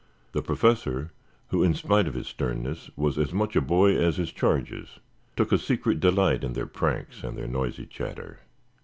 The Professor, who, in spite of his sternness, was as much a boy as his charges, took a secret delight in their pranks and their noisy chatter.